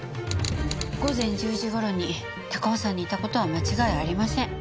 午前１０時頃に高尾山にいた事は間違いありません。